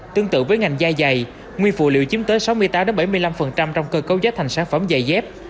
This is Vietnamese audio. tương tự với ngành da dày nguyên phụ liệu chiếm tới sáu mươi tám bảy mươi năm trong cơ cấu giá thành sản phẩm giày dép